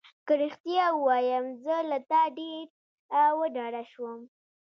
که رښتیا ووایم زه له تا ډېره وډاره شوم.